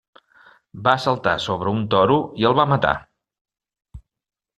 Va saltar sobre un toro i el va matar.